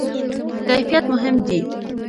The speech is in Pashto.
کیفیت مهم دی